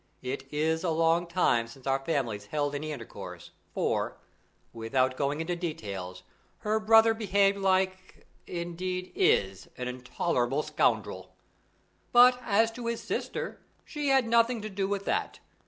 It is a long time since our families held any intercourse, for without going into details, her brother behaved like indeed, is an intolerable scoundrel; but as to his sister, she had nothing to do with that.